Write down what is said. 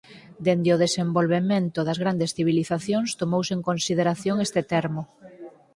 Dende o desenvolvemento das grandes civilizacións tomouse en consideración este termo.